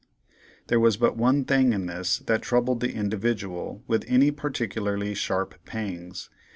There was but one thing in this that troubled the "Individual" with any particularly sharp pangs.